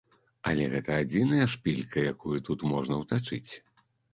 Але гэта адзіная шпілька, якую тут можна ўтачыць.